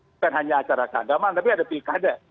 bukan hanya acara keagamaan tapi ada pilkada